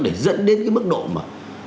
để dẫn đến cái mức độ mà